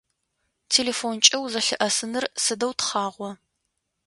Телефонкӏэ узэлъыӏэсыныр сыдэу тхъагъо.